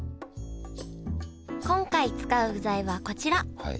今回使う具材はこちら。